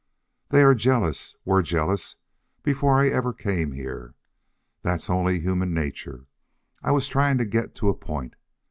"They are jealous were jealous before I ever came here. That's only human nature. I was trying to get to a point.